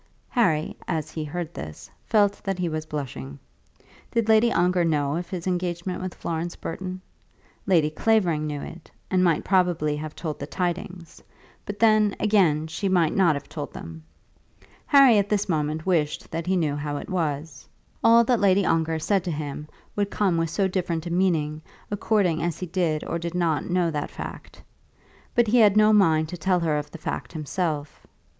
Harry, as he heard this, felt that he was blushing. Did Lady Ongar know of his engagement with Florence Burton? Lady Clavering knew it, and might probably have told the tidings; but then, again, she might not have told them. Harry at this moment wished that he knew how it was. All that Lady Ongar said to him would come with so different a meaning according as she did, or did not know that fact. But he had no mind to tell her of the fact himself.